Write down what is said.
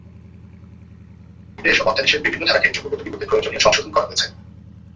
বিলে এসব অধ্যাদেশের বিভিন্ন ধারাকে যুগোপযোগী করতে প্রয়োজনীয় সংশোধন করা হয়েছে।